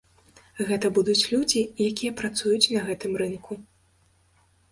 Гэта будуць людзі, якія працуюць на гэтым рынку.